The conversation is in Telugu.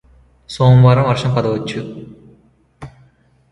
సోమవారం వర్షం పడవచ్చు